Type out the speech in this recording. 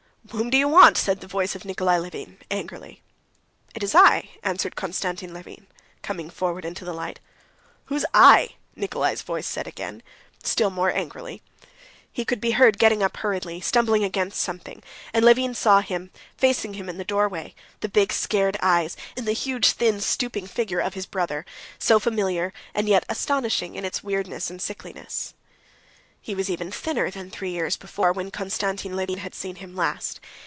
"Whom do you want?" said the voice of Nikolay Levin, angrily. "It's I," answered Konstantin Levin, coming forward into the light. "Who's I?" Nikolay's voice said again, still more angrily. He could be heard getting up hurriedly, stumbling against something, and Levin saw, facing him in the doorway, the big, scared eyes, and the huge, thin, stooping figure of his brother, so familiar, and yet astonishing in its weirdness and sickliness. He was even thinner than three years before, when Konstantin Levin had seen him last.